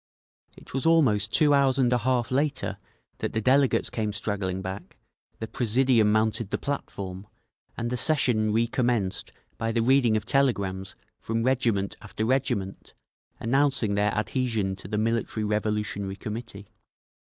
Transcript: … It was almost two hours and a half later that the delegates came straggling back, the presidium mounted the platform, and the session recommenced by the reading of telegrams from regiment after regiment, announcing their adhesion to the Military Revolutionary Committee.